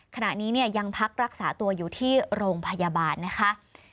ขณะนี้ยังพักรักษาตัวอยู่ที่โรงพยาบาลนะคะ